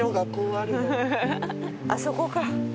あそこか。